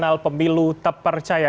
di kanal pemilu tepercaya